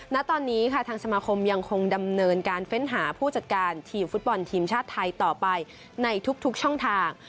ณตอนนี้ค่ะทางสมาคมยังคงดำเนินการเฟ้นหาผู้จัดการทีมฟุตบอลทีมชาติไทยต่อไปในทุกช่องทาง